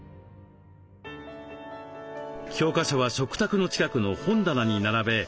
教科書は食卓の近くの本棚に並べ